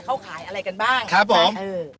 เขาขายอะไรกันบ้างครับผมเออ